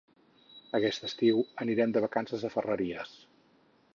Aquest estiu anirem de vacances a Ferreries.